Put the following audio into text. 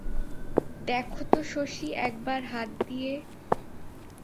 দ্যাখ তো শশী একবার হাত দিয়ে?